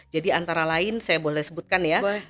jadi antara lain saya boleh sebutkan ya